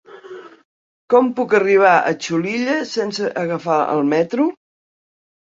Com puc arribar a Xulilla sense agafar el metro?